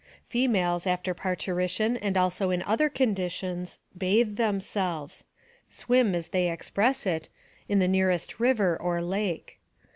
Females, after parturition, and also in other condi tions, bathe themselves swim, as they express it in the nearest river or lake.